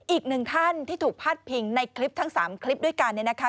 อีกหนึ่งท่านที่ถูกพาดพิงในคลิปทั้ง๓คลิปด้วยกันเนี่ยนะคะ